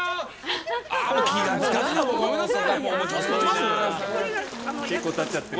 気が付かずにごめんなさい。